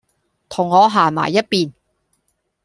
同我行埋一便